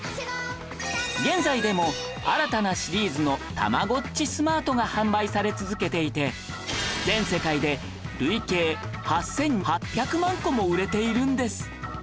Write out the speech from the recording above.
現在でも新たなシリーズの『ＴａｍａｇｏｔｃｈｉＳｍａｒｔ』が販売され続けていて全世界で累計８８００万個も売れているんです